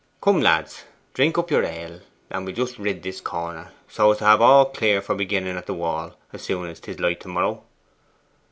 'Come, lads, drink up your ale, and we'll just rid this corner, so as to have all clear for beginning at the wall, as soon as 'tis light to morrow.